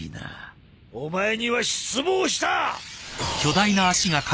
お前には失望した！